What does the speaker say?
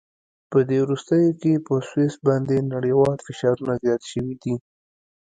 په دې وروستیو کې په سویس باندې نړیوال فشارونه زیات شوي دي.